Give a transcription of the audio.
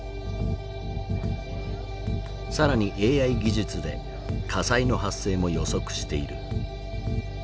更にＡＩ技術で火災の発生も予測している。